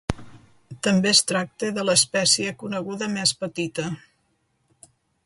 També es tracta de l'espècie coneguda més petita.